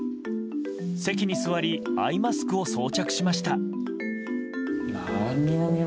席に座りアイマスクを装着しました。